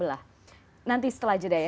nanti setelah jeda ya